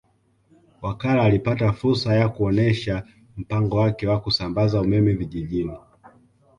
Wakala alipata fursa ya kuonesha mpango wake wa kusambaza umeme vijijini